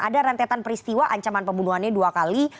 ada rentetan peristiwa ancaman pembunuhannya dua kali